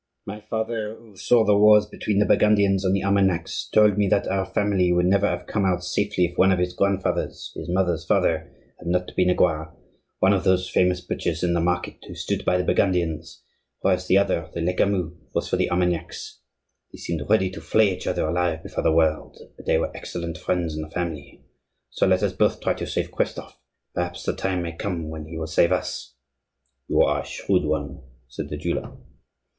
"My father, who saw the wars between the Burgundians and the Armagnacs told me that our family would never have come out safely if one of his grandfathers—his mother's father—had not been a Goix, one of those famous butchers in the Market who stood by the Burgundians; whereas the other, the Lecamus, was for the Armagnacs; they seemed ready to flay each other alive before the world, but they were excellent friends in the family. So, let us both try to save Christophe; perhaps the time may come when he will save us." "You are a shrewd one," said the jeweller.